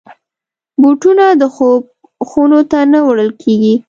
بوټونه د خوب خونو ته نه وړل کېږي.